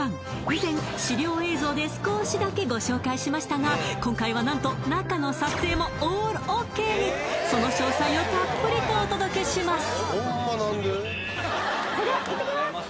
以前資料映像で少しだけご紹介しましたが今回は何と中の撮影もオールＯＫにその詳細をたっぷりとお届けします